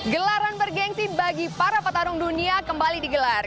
gelaran bergensi bagi para petarung dunia kembali digelar